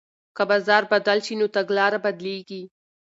که بازار بدل شي نو تګلاره بدلیږي.